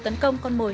tấn công con mồi